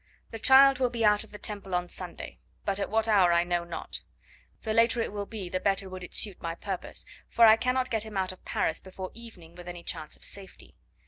The child will be out of the Temple on Sunday, but at what hour I know not. The later it will be the better would it suit my purpose, for I cannot get him out of Paris before evening with any chance of safety.